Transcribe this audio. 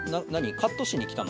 カットしに来たの？